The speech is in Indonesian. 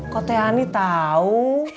kok teh ani tau